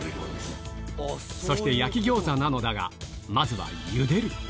そして焼き餃子なのだが、まずはゆでる。